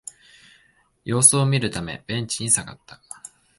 様子を見るためベンチに下がった